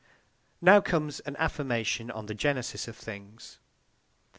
Now comes an affirmation on the genesis of things.